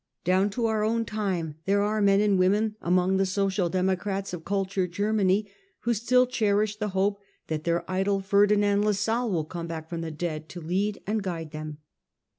Down to our own time there are men and women among the Social Democrats of cultured Germany who still cherish the hope that their idol Ferdinand Lassalle will come back from the dead to lead and guide them.